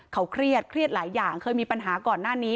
เขาเครียดเครียดหลายอย่างเคยมีปัญหาก่อนหน้านี้